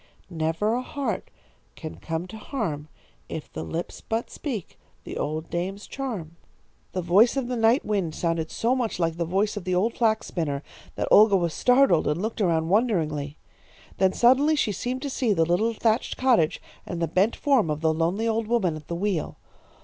Never a heart can come to harm, if the lips but speak the old dame's charm.' "The voice of the night wind sounded so much like the voice of the old flax spinner that Olga was startled and looked around wonderingly. Then suddenly she seemed to see the little thatched cottage and the bent form of the lonely old woman at the wheel.